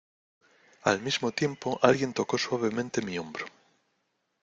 al mismo tiempo alguien tocó suavemente mi hombro.